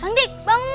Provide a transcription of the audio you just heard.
bang dik bangun